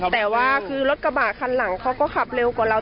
แต่ว่าคือรถกระบะคันหลังเขาก็ขับเร็วกว่าเรา